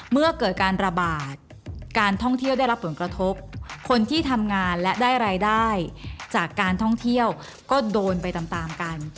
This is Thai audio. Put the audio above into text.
เมื่อเกิดการระบาดการท่องเที่ยวได้รับผลกระทบคนที่ทำงานและได้รายได้จากการท่องเที่ยวก็โดนไปตามตามกัน